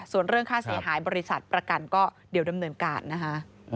ส่วนเรื่องค่าเสียหายบริษัทประกันก็เดี๋ยวดำเนินการนะคะ